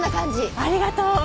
ありがとう！